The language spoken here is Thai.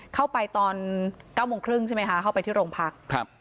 เข้าไปตอนเก้าโมงครึ่งใช่ไหมคะเข้าไปที่โรงพักครับ